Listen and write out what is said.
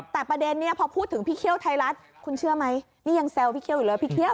แต่ประเด็นนี้พอพูดถึงพี่เคี่ยวไทยรัฐคุณเชื่อไหมนี่ยังแซวพี่เคี่ยวอยู่เลยพี่เคี่ยว